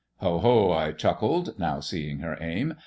" Ho, ho," I chuckled, now seeing her aim.